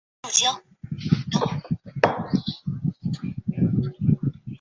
绝对贫穷是由香港扶贫委员会所界定的一种贫穷层级。